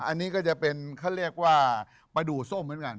อันนี้ก็จะเป็นเขาเรียกว่าปลาดูดส้มเหมือนกัน